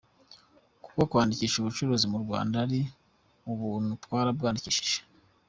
Kuko kwandikisha ubucuruzi mu Rwanda ari ubuntu, twarabwandikishije.